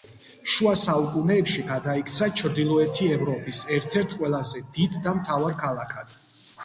შუა საუკუნეებში გადაიქცა ჩრდილოეთი ევროპის ერთ-ერთ ყველაზე დიდ და მდიდარ ქალაქად.